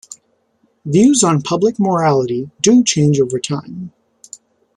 Views on public morality do change over time.